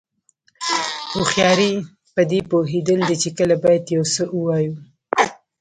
هوښیاري پدې پوهېدل دي چې کله باید یو څه ووایو.